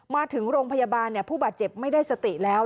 มาถึงโรงพยาบาลผู้บาดเจ็บไม่ได้สติแล้ว